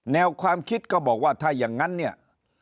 แนวความคิดก็บอกว่าถ้าอย่างนั้นเนี่ย